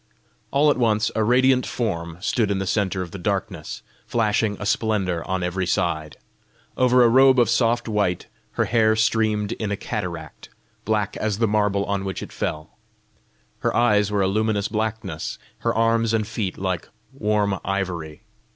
All at once, a radiant form stood in the centre of the darkness, flashing a splendour on every side. Over a robe of soft white, her hair streamed in a cataract, black as the marble on which it fell. Her eyes were a luminous blackness; her arms and feet like warm ivory.